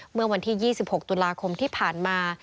เมื่อวันที่๒๖ตุลาคมที่ผ่านมา